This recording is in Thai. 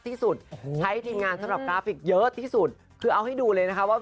ที่สุดใช้ทีมงานสำหรับกราฟิกเยอะที่สุดคือเอาให้ดูเลยนะคะว่า